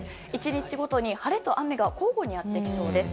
１日ごとに晴れと雨が交互にやってきそうです。